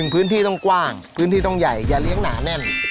พื้นที่ต้องกว้างพื้นที่ต้องใหญ่อย่าเลี้ยงหนาแน่น